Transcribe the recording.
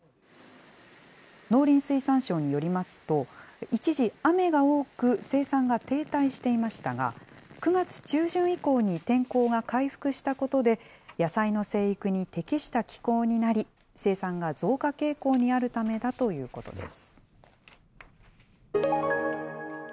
農林水産省によりますと、一時、雨が多く生産が停滞していましたが、９月中旬以降に天候が回復したことで、野菜の生育に適した気候になり、生産が増加傾向にあるためだということです。